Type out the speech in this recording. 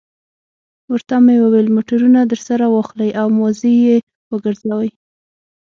ورته مې وویل: موټرونه درسره واخلئ او مازې یې وګرځوئ.